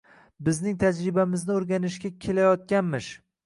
Bizning tajribamizni o`rganishga kelayotganmish